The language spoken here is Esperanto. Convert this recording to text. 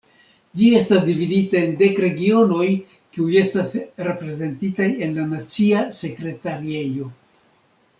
Ĝi estas dividita en dek regionoj kiuj estas reprezentitaj en la nacia sekretariejo.